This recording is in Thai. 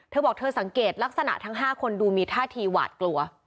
เธอบอกเธอสังเกตลักษณะทั้ง๕คนดูมีท่าทีหวาดกลัว